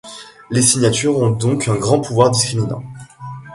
Les signatures ont donc un grand pouvoir discriminant.